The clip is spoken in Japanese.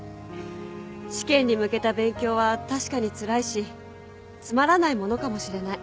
試験に向けた勉強は確かにつらいしつまらないものかもしれない。